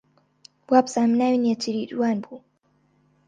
وابزانم ناوی نێچیروان بوو.